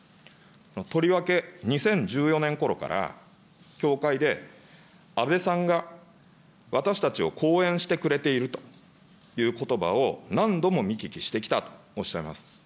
とりわけ２０１４年ころから、教会で安倍さんが私たちを後援してくれているということばを何度も見聞きしてきたとおっしゃいます。